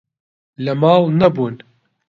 لە ماڵ نەبوون.